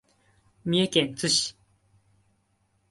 三重県津市